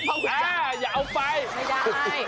อ้าวอย่าเอาไปไม่ได้